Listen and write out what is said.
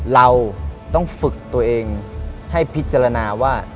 เราต้องฝึกตัวเองให้พิจารณาว่า